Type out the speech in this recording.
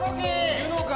いるのか？